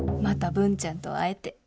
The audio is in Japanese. また文ちゃんと会えて。